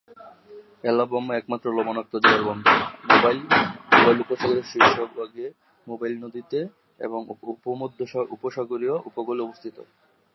Alabama একমাত্র লবণাক্ত জলের বন্দর, মোবাইল মোবাইল উপসাগরের শীর্ষভাগে মোবাইল নদীতে এবং উত্তর-মধ্য উপসাগরীয় উপকূলে অবস্থিত।